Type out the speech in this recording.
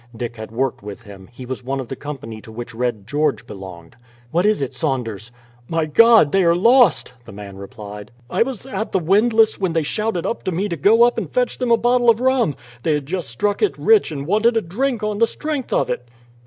Dick had worked with him; he was one of the company to which Red George belonged. "What is it, Saunders?" "My God! they are lost!" the man replied. "I was at the windlass when they shouted up to me to go up and fetch them a bottle of rum. They had just struck it rich, and wanted a drink on the strength of it."